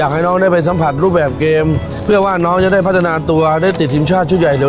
ให้น้องได้ไปสัมผัสรูปแบบเกมเพื่อว่าน้องจะได้พัฒนาตัวได้ติดทีมชาติชุดใหญ่หรือ